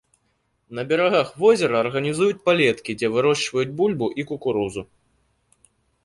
На берагах возера арганізуюць палеткі, дзе вырошчваюць бульбу і кукурузу.